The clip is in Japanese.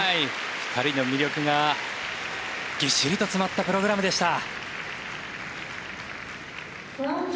２人の魅力がぎっしりと詰まったプログラムでした。